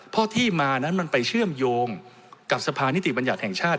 เพราะที่มานั้นมันไปเชื่อมโยงกับสภานิติบัญญัติแห่งชาติ